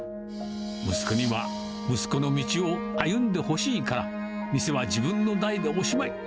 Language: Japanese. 息子には、息子の道を歩んでほしいから、店は自分の代でおしまい。